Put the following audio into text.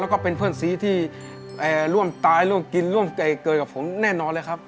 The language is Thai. แล้วก็เป็นเพื่อนสีที่ร่วมตายร่วมกินร่วมใจเกิดกับผมแน่นอนเลยครับ